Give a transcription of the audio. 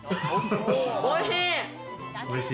おいしい。